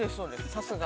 さすが。